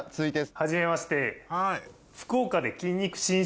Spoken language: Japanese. はじめまして。